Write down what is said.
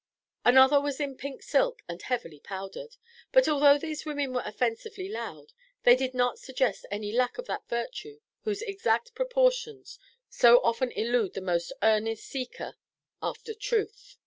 Another was in pink silk and heavily powdered. But although these women were offensively loud, they did not suggest any lack of that virtue whose exact proportions so often elude the most earnest seeker after truth.